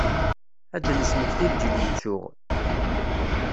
Ad d-nesmekti lğil yettsuɣ.